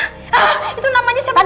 hah itu namanya siapa sih